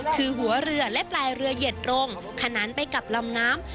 คือหัวเรือและปลายเรือเหยียดตรงขนานไปกับลำน้ำ